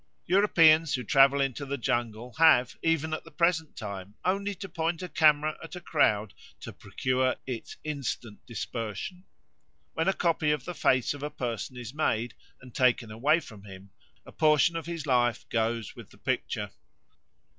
Europeans who travel into the jungle have, even at the present time, only to point a camera at a crowd to procure its instant dispersion. When a copy of the face of a person is made and taken away from him, a portion of his life goes with the picture.